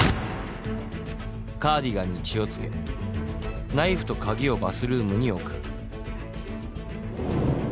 カーディガンに血をつけナイフと鍵をバスルームに置く。